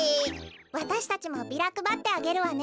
わたしたちもビラくばってあげるわね。